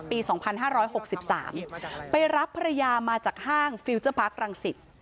ปี๒๕๖๓ไปรับภรรยามาจากห้างฟิลเจอร์พาร์ครังสิต